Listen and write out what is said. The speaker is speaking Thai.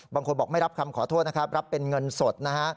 บางคนบอกไม่รับคำขอโทษนะครับรับเป็นเงินสดนะฮะ